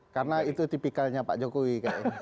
karena itu tipikalnya pak jokowi